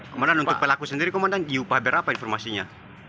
kemudian untuk pelaku sendiri komandan diupaber apa informasinya